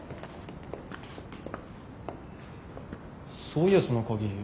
そういやその鍵